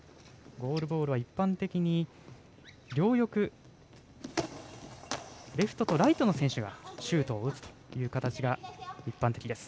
ゴールボールは一般的に両翼、レフトとライトの選手がシュートを打つという形が一般的です。